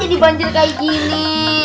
jadi banjir kayak gini